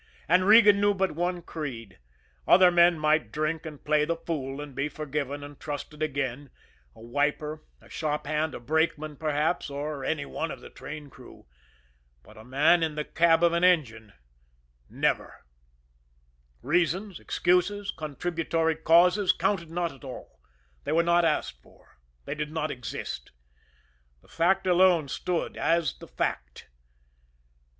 And Regan knew but one creed. Other men might drink and play the fool and be forgiven and trusted again, a wiper, a shop hand, a brakeman, perhaps, or any one of the train crew, but a man in the cab of an engine never. Reasons, excuses, contributory causes, counted not at all they were not asked for they did not exist. The fact alone stood as the fact.